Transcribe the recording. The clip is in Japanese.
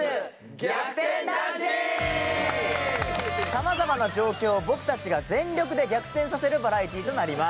さまざまな状況を僕たちが全力で逆転させるバラエティーとなります。